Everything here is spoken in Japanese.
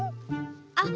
あっ！